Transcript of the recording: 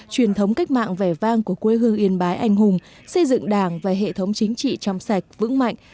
truyền thống cách mạng vẻ vang của quê hương yên bái anh hùng xây dựng đảng và hệ thống chính trị trong sạch vững mạnh